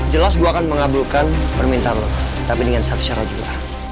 jelas gue akan mengabulkan permintaan tapi dengan satu syarat juga